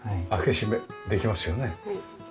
開け閉めできますよね。